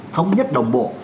thống nhất đồng bộ